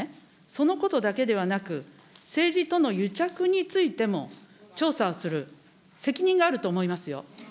そのことだけではなく、政治との癒着についても調査をする責任があると思いますよ。